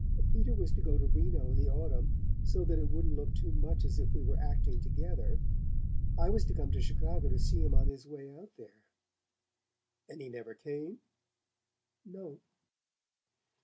"Peter was to go to Reno in the autumn so that it wouldn't look too much as if we were acting together. I was to come to Chicago to see him on his way out there." "And he never came?" "No."